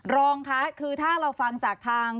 รองค่ะคือถ้าเราฟังจากทาง